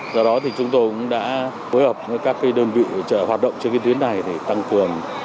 do đó thì chúng tôi cũng đã hối hợp với các cái đơn vị hoạt động trên cái tuyến này tăng cường